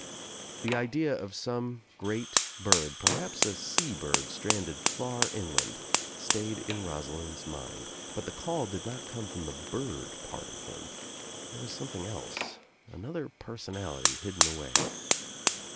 The idea of some great bird, per I I I 'dUT OF NOWHERE INTO NOTHING 189 haps a sea bird stranded far inland, stayed in Rosa lind's mind but the call did not come from the bird part of him. There was something else, another person ality hidden away.